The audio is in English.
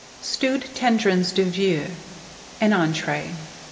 STEWED TENDRONS DE VEAU (an Entree).